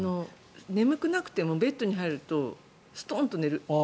眠くなくてもベッドに入ると、ストンと寝る。